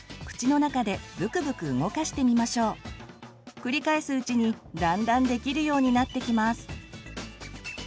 繰り返すうちにだんだんできるようになってきます。